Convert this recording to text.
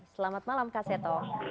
selamat malam kak seto